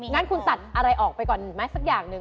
งั้นคุณตัดอะไรออกไปก่อนหนึ่งซักอย่างนึง